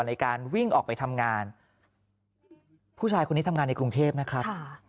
ในการวิ่งออกไปทำงานผู้ชายคนนี้ทำงานในกรุงเทพนะครับ